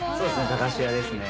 駄菓子屋ですね。